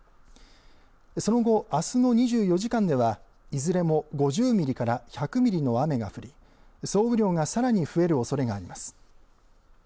その後、あすの２４時間ではいずれも５０ミリから１００ミリの雨が降り、総雨量がさらに増えるおそれがあります。